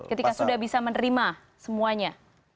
ketika sudah bisa menerima semuanya